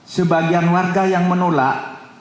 sebagian warga yang menolak